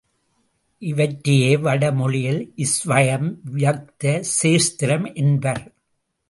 இவற்றையே வடமொழியில் ஸ்வயம் வியக்த க்ஷேத்திரம் என்பர்.